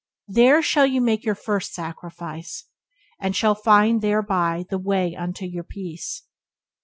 There shall you make your first sacrifice, and shall find thereby the way unto your peace.